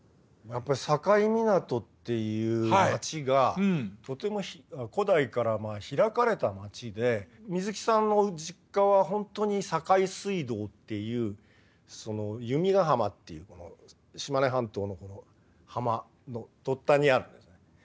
やっぱり境港っていう町がとても古代から開かれた町で水木さんの実家はほんとに境水道っていう弓ヶ浜っていう島根半島の浜の突端にあるんですね。